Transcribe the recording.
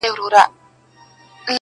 د لباس كيسې عالم وې اورېدلي-